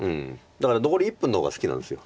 だから残り１分の方が好きなんです。